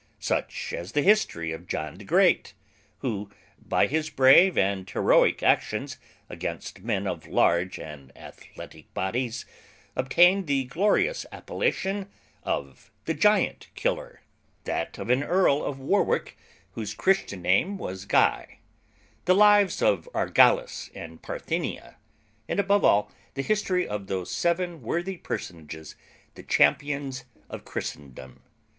Such as the history of John the Great, who, by his brave and heroic actions against men of large and athletic bodies, obtained the glorious appellation of the Giant killer; that of an Earl of Warwick, whose Christian name was Guy; the lives of Argalus and Parthenia; and above all, the history of those seven worthy personages, the Champions of Christendom.